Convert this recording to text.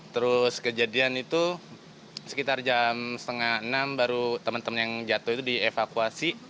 terus kejadian itu sekitar jam setengah enam baru teman teman yang jatuh itu dievakuasi